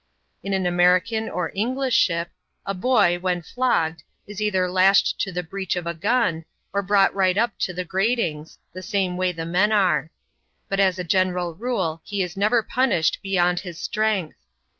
In an American or English ship, a boy, when flogged, is either lashed to the breech of a gun, or brought right up to the gratings, the same way the men are. But as a general rule, he is never punished beyond his strength.